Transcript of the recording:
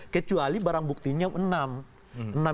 kecuali barang buktinya enam